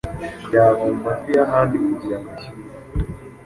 yaba mu matwi n’ahandi kugira ngo ashyukwe